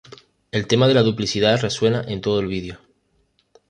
El tema de la duplicidad resuena en todo el vídeo.